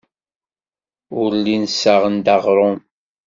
Ur llin ssaɣen-d aɣrum.